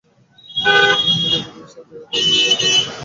বাড়িতে গৃহিণী নাই, প্রতিবেশীরা দয়া করিয়া আমাকে সাহায্য করিতে আসিল।